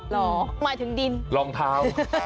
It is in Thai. หมายถึงดินรองเท้า